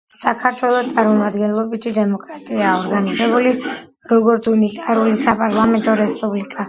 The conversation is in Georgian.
საქართველო წარმომადგენლობითი დემოკრატიაა, ორგანიზებული როგორც უნიტარული, საპარლამენტო რესპუბლიკა.